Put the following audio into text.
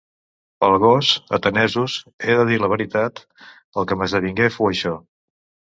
Pel gos, atenesos, he de dir la veritat; el que m'esdevingué fou això: